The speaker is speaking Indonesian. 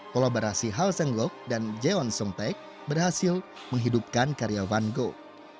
kolaborasi hal seng lok dan jeon sung taek berhasil menghidupkan karya van gogh